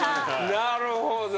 なるほど。